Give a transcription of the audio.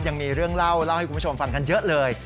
ยังมีเรื่องเล่าเล่าให้คุณผู้ชมฟังกันเยอะเลย